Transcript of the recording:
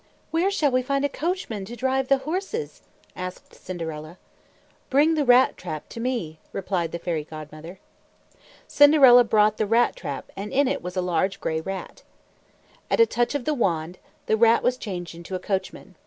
"Where shall we find a coachman to drive the horses?" asked Cinderella. "Bring the rat trap to me," replied the Fairy Godmother. Cinderella brought the rat trap, and in it was a large gray rat. At a touch of the wand, the rat was changed into a coachman.